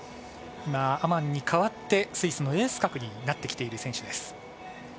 今、アマンに代わってスイスのエース格になっている選手です。